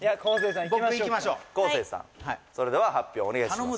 僕いきましょう昴生さんそれでは発表お願いします